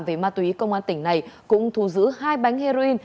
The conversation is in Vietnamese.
về ma túy công an tỉnh này cũng thu giữ hai bánh heroin